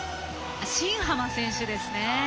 新濱選手ですね。